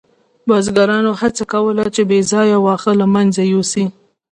بزګرانو هڅه کوله چې بې ځایه واښه له منځه یوسي.